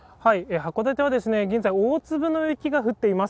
函館は現在、大粒の雪が降っています。